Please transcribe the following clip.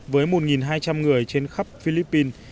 với một hai trăm linh người trên khắp philippines